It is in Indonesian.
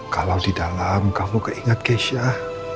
kalau di dalam kamu keingat keisha